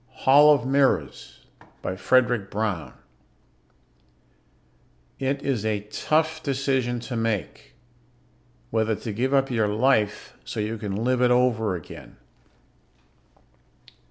net Hall of Mirrors By FREDRIC BROWN _It is a tough decision to make whether to give up your life so you can live it over again!